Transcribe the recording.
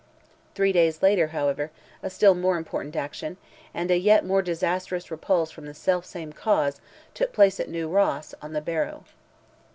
Three days later, however, a still more important action, and a yet more disastrous repulse from the self same cause, took place at New Ross, on the Barrow.